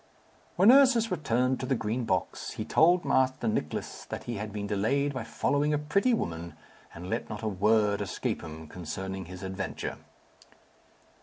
When Ursus returned to the Green Box, he told Master Nicless that he had been delayed by following a pretty woman, and let not a word escape him concerning his adventure.